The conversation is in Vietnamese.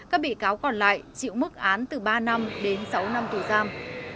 các bị cáo còn lại chịu mức án từ ba năm đến sáu năm tù giam